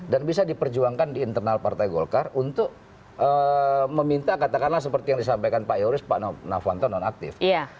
dan bisa diperjuangkan di internal partai golkar untuk meminta katakanlah seperti yang disampaikan pak ioris pak novanto non aktif